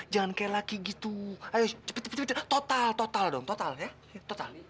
jangan kayak laki gitu ayo cepet cepet cepet total total dong total ya total